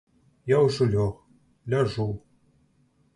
Я ўжо лёг, ляжу.